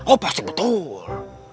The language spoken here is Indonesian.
oh pasti betul